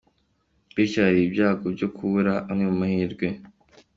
Bityo hari ibyago byo kubura amwe mu mahirwe.